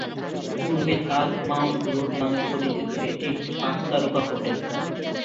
পূর্বে Taj mount road নামে পরিচিত, এটি একটি পাঁচ তারকা হোটেল।